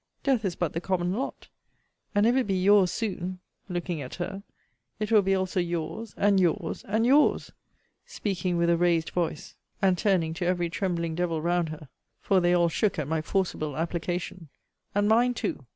Death is but the common lot: and if it be your's soon, looking at her, it will be also your's, and your's, and your's, speaking with a raised voice, and turning to every trembling devil round her, [for they all shook at my forcible application,] and mine too.